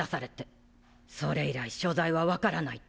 それ以来所在は分からないって。